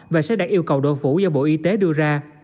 và sẽ đạt yêu cầu đội phủ do bộ y tế đưa ra